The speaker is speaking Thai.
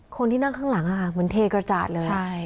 คนที่นั่งข้างหลังเหมือนเทกระจาดเลย